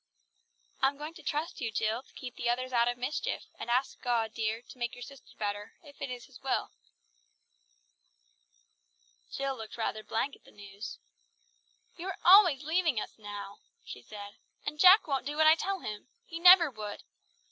"I am going to trust you, Jill, to keep the others out of mischief, and ask God, dear, to make your sister better, if it is His will." Jill looked rather blank at the news. "You are always leaving us now," she said; "and Jack won't do what I tell him. He never would.